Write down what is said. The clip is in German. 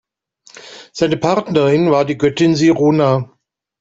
Seine Partnerin war die Göttin Sirona.